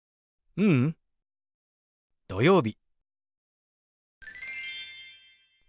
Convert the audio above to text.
ううん土曜日。